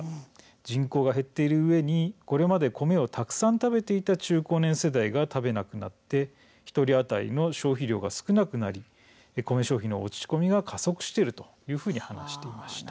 人口が減っているうえにこれまで米をたくさん食べていた中高年世代が食べなくなって１人当たりの消費量が少なくなり米消費の落ち込が加速している」と話していました。